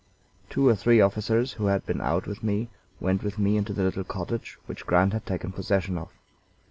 Two or three officers who had been out with me went with me into the little cottage which Grant had taken possession of.